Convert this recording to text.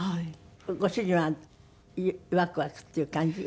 ご主人はワクワクっていう感じ？